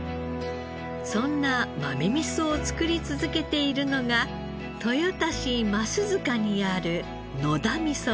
そんな豆味噌を造り続けているのが豊田市桝塚にあるのだみそです。